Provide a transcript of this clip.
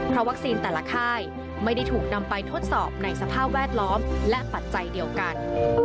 เพราะวัคซีนแต่ละค่ายไม่ได้ถูกนำไปทดสอบในสภาพแวดล้อมและปัจจัยเดียวกัน